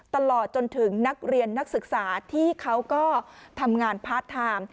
ตลอดจนถึงนักเรียนนักศึกษาที่เขาก็ทำงานพาร์ทไทม์